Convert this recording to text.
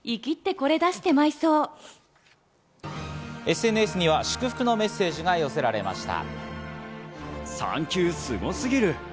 ＳＮＳには祝福のメッセージが寄せられました。